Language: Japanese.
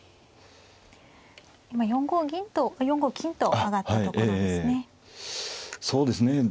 今４五金と上がったところですね。